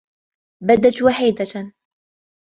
بدت وحيدة.